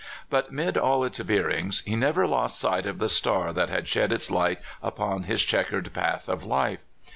But mid all its veerings he never lost sight of the Star that had shed its light upon his checkered path of life.